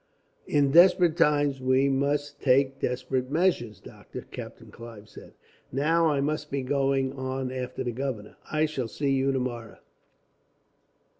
"In desperate times we must take desperate measures, Doctor," Captain Clive said. "Now I must be going on after the governor. I shall see you tomorrow.